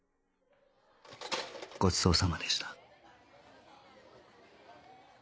ごちそうさまでした